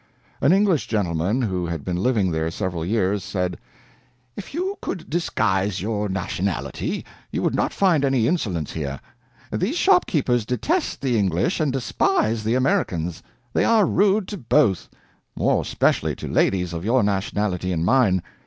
An English gentleman who had been living there several years, said: "If you could disguise your nationality, you would not find any insolence here. These shopkeepers detest the English and despise the Americans; they are rude to both, more especially to ladies of your nationality and mine.